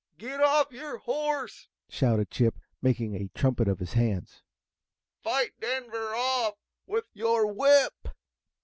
"Get off your H O R S E!" shouted Chip, making a trumpet of his hands. "Fight Denver off with your whip!"